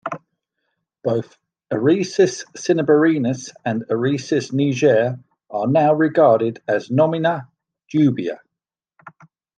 Both "Eresus cinnaberinus" and "Eresus niger" are now regarded as "nomina dubia".